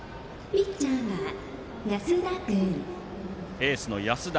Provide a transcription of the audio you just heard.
エースの安田。